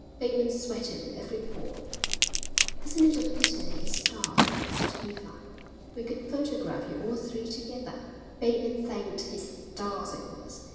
Bateman sweated at every pore. "Isn't it a pity it's dark?" said Eva. "We could photograph you all three together." Bateman thanked his stars it was.